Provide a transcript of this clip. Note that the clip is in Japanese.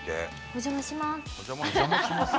「お邪魔します」？